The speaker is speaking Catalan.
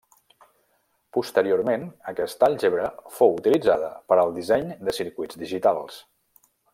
Posteriorment, aquesta àlgebra fou utilitzada per al disseny de circuits digitals.